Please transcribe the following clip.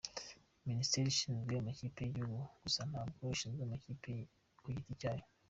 Minsiteri ishinzwe amakipe y’igihugu gusa, ntabwo ishinzwe amakipe ku giti cyayo.”